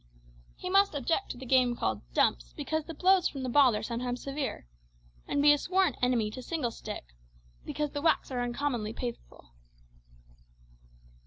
He must object to the game called "dumps," because the blows from the ball are sometimes severe; and be a sworn enemy to single stick, because the whacks are uncommonly painful.